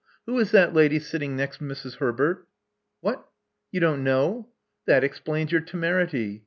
Who is that lady sitting next Mrs. Herbert?" What! You don't know! That explains your temerity.